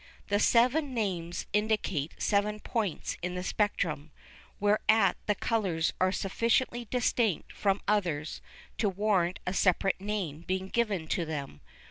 The seven names indicate seven points in the spectrum, whereat the colours are sufficiently distinct from others to warrant a separate name being given to them.